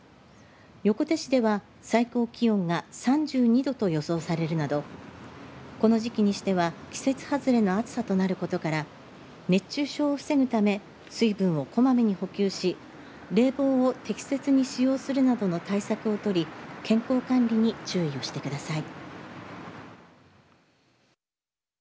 横手市では最高気温が３２度と予想されるなどこの時期にしては季節外れの暑さとなることから熱中症を防ぐため水分をこまめに補給し冷房を適切に使用するなどの対策を取り健康管理に注意をしてください。